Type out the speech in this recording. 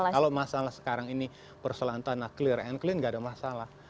kalau masalah sekarang ini persoalan tanah clear and clean nggak ada masalah